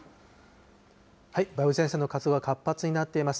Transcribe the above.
梅雨前線の活動が活発になっています。